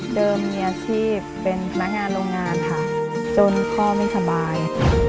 เดิมมีอาชีพเป็นม้านงานโรงงานจนพ่อไม่สบาย